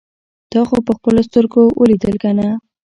تا خو په خپلو سترګو اوليدل کنه.